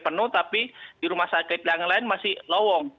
penuh tapi di rumah sakit yang lain masih lowong